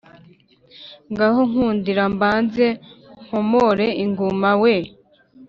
ngaho nkundira mbanze nkomore inguma we